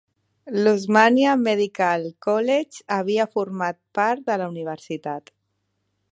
L'Osmania Medical College havia format part de la universitat.